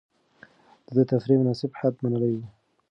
ده د تفريح مناسب حد منلی و.